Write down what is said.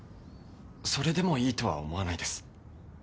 それでもいいとは思わないです。